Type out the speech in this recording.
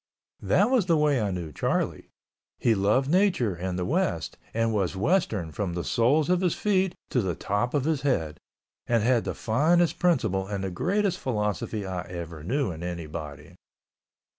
That was the way I knew Charlie. He loved nature and the West and was Western from the soles of his feet to the top of his head and had the finest principle and the greatest philosophy I ever knew in anybody.